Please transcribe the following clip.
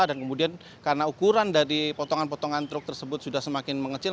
dan kemudian karena ukuran dari potongan potongan truk tersebut sudah semakin mengecil